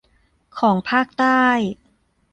ของภาคใต้